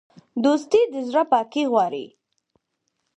دوستي د زړه پاکي غواړي.